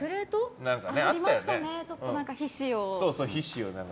ありましたね、皮脂を。